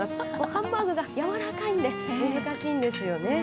ハンバーグが軟らかいんで、難しいんですよね。